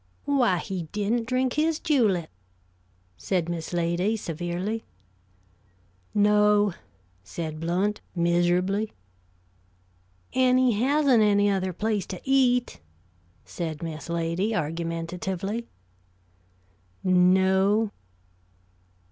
"Why, he didn't drink his julep!" said Miss Lady, severely. "No," said Blount, miserably. "And he hasn't any other place to eat," said Miss Lady, argumentatively. "No."